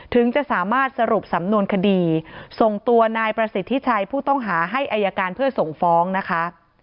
ถึงจะสามารถสรุปสำนวนคดีส่งตัวนายประสิทธิชัยผู้ต้องหาให้อายการเพื่อส่งฟ้องนะคะ